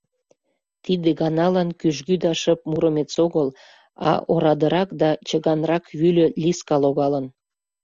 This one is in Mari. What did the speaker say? Тиде ганалан кӱжгӱ да шып Муромец огыл, а орадырак да чыганрак вӱльӧ Лиска логалын.